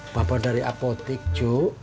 papa dari apotik cu